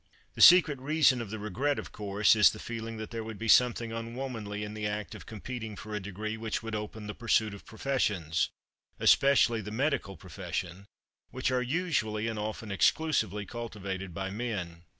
The secret reason of the regret, of course, is the feeling that there would be something unwomanly in the act of competing for a degree which would open the pursuit of professions especially the medical profession which are usually and often exclusively cultivated by men.